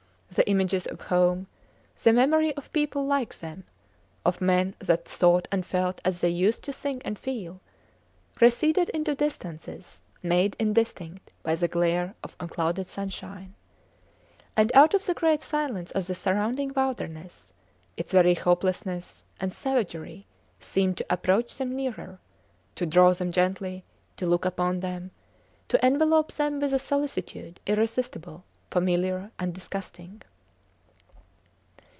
The images of home; the memory of people like them, of men that thought and felt as they used to think and feel, receded into distances made indistinct by the glare of unclouded sunshine. And out of the great silence of the surrounding wilderness, its very hopelessness and savagery seemed to approach them nearer, to draw them gently, to look upon them, to envelop them with a solicitude irresistible, familiar, and disgusting.